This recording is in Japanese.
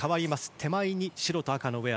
手前に白と赤のウェア